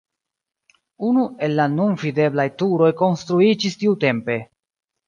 Unu el la nun videblaj turoj konstruiĝis tiutempe.